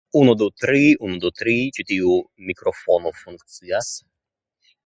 Unu du tri, un' du tri. Ĉu tiu mikrofono funkcias?